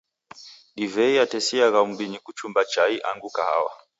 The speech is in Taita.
Divei yatesiagha muw'I kuchumba chai angu kahawa.